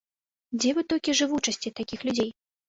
Дзе вытокі жывучасці такіх людзей?